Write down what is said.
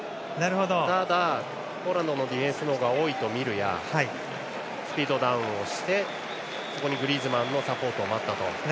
ただ、ポーランドのディフェンスの方が多いと見るやスピードダウンをしてそこにグリーズマンのサポートを待ったと。